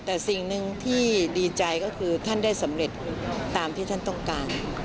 แต่สิ่งหนึ่งที่ดีใจก็คือท่านได้สำเร็จตามที่ท่านต้องการ